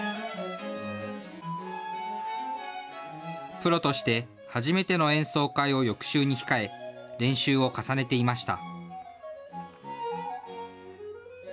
プロとして初めての演奏会を翌週に控え、練習を重ねていました。